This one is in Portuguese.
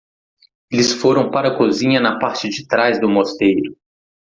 Eles foram para a cozinha na parte de trás do mosteiro.